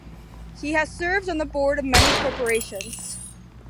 He has served on the board of many corporations.